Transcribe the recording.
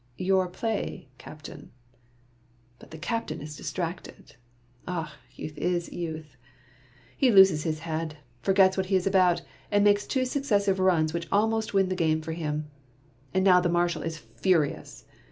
"Your play, captain —" But the captain is distracted. Ah ! Youth is youth. He loses his head, forgets what he is about, and makes two successive runs which almost win the game for him. And now the Marshal is furious.